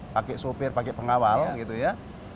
pakai sopir pakai pengawal gitu ya